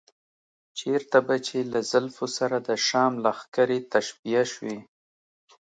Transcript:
چېرته به چې له زلفو سره د شام لښکرې تشبیه شوې.